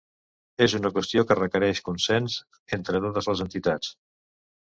És una qüestió que requereix consens entre totes les entitats.